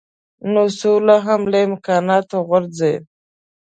نو سوله هم له امکاناتو غورځي.